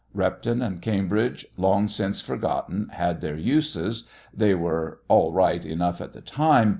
Repton and Cambridge, long since forgotten, had their uses. They were all right enough at the time.